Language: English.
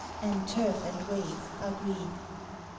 And turf and wave are green.